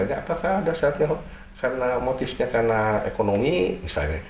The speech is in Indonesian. apakah ada saatnya karena motifnya karena ekonomi misalnya